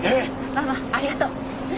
ママありがとう。え？